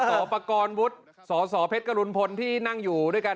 สอบประกอบวุฒิสสเพชรกรุณพลที่นั่งอยู่ด้วยกัน